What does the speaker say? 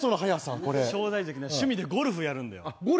正代関、趣味でゴルフやるんですよ。